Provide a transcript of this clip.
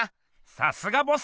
さすがボス！